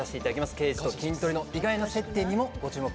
刑事とキントリの意外な接点にもご注目ください。